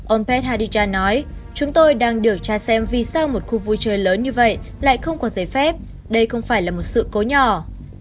ông ped haricha nói chúng tôi đang điều tra xem vì sao một khu vui chơi lớn như vậy lại không có giấy phép đây không phải là một sự cố nhỏ